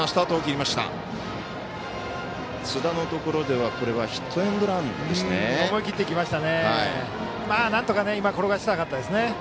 津田のところではヒットエンドランですね。